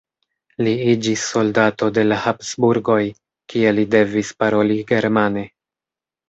Li iĝis soldato de la Habsburgoj, kie li devis paroli germane.